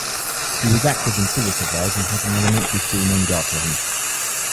He was active in civic affairs and had an elementary school named after him.